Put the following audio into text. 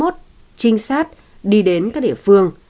trinh sát đi đến các địa phương